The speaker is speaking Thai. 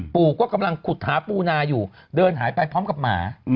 ปู่ก็กำลังขุดหาปูนาอยู่เดินหายไปพร้อมกับหมา